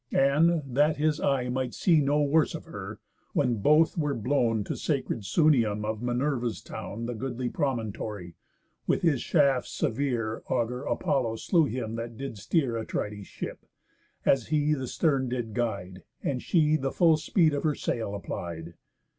And, that his eye Might see no worse of her, when both were blown To sacred Sunium, of Minerva's town The goodly promontory, with his shafts severe Augur Apollo slew him that did steer Atrides' ship, as he the stern did guide, And she the full speed of her sail applied.